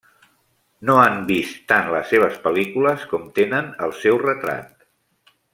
No han vist tant les seves pel·lícules com tenen el seu retrat.